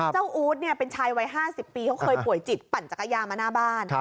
อู๊ดเป็นชายวัย๕๐ปีเขาเคยป่วยจิตปั่นจักรยานมาหน้าบ้าน